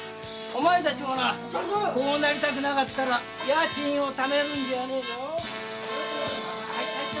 お前らもこうなりたくなかったら家賃をためるんじゃねぇぞ。